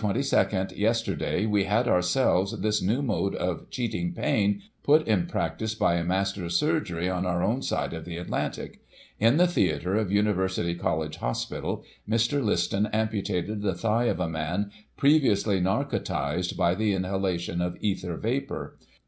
Yesterday, we had, ourselves, this new mode of cheating pain put in prac tice by a master of chirurgery, on our own side of the Atlantic. In the theatre of University College Hospital, Mr. Liston amputated the thigh of a man, previously narcotized by the inhalation of ether vapour.